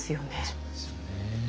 そうですよね。